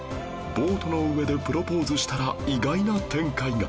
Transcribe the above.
ボートの上でプロポーズしたら意外な展開が